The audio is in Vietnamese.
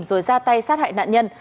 rồi ra tay sát hại nạn nhân